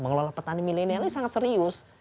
mengelola petani milenial ini sangat serius